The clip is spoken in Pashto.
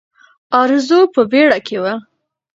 ارزو په بیړه کې وه.